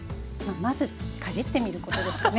まずかじってみることですかね。